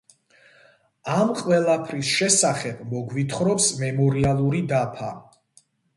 ამ ყველაფრის შესახებ მოგვითხრობს მემორიალური დაფა.